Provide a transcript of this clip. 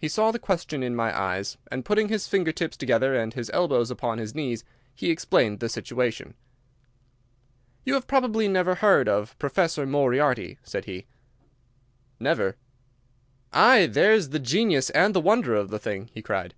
He saw the question in my eyes, and, putting his finger tips together and his elbows upon his knees, he explained the situation. "You have probably never heard of Professor Moriarty?" said he. "Never." "Aye, there's the genius and the wonder of the thing!" he cried.